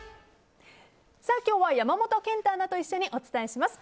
今日は山本賢太アナと一緒にお伝えします。